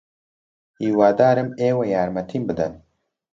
ھیوادارم ئێوە یارمەتیم بدەن.